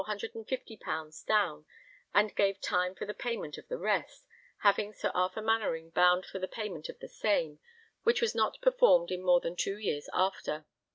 _ down and gave time for the payment of the rest, having Sir Arthur Mainwaring bound for the payment of the same, which was not performed in more than two years after.